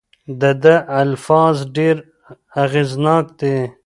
د ده الفاظ ډېر اغیزناک دي.